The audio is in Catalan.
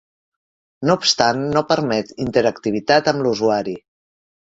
No obstant no permet interactivitat amb l'usuari.